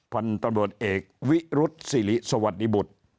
พันธุ์ตำรวจเอกวิรุษศิริสวัสดิบุตร